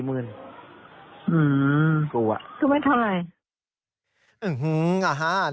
อืมกลัวกลัวไม่เท่าไหร่